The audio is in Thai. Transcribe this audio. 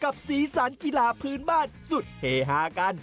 กับศีลศัลกีฬาพื้นบ้านสุดเทฮากัน